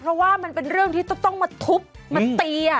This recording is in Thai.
เพราะว่ามันเป็นเรื่องที่ต้องมาทุบมาตี